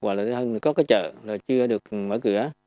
hoặc là có cái chợ chưa được mở cửa